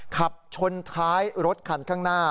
ขับชนท้ายรถคันข้างหน้า